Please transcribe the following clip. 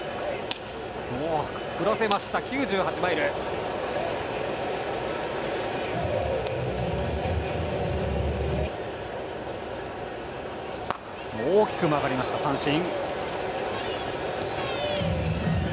振らせました９８マイル。大きく曲がりました三振。